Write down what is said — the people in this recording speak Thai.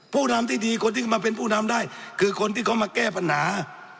ผู้นำที่ดีคนที่มาเป็นผู้นำได้คือคนที่เขามาแก้ปัญหา